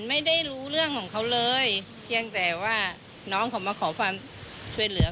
ไม่ได้รู้เรื่องของเขาเลยเพียงแต่ว่าน้องเขามาขอความช่วยเหลือ